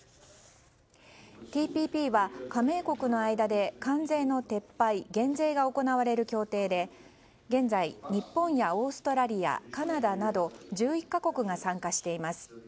ＴＰＰは加盟国の間で関税の撤廃、減税が行われる協定で現在、日本やオーストラリアカナダなど１１か国が参加しています。